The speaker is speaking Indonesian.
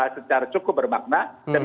secara cukup bermakna